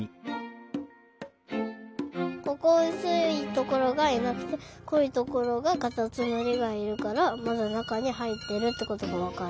ここうすいところがいなくてこいところがカタツムリがいるからまだなかにはいってるってことがわかる。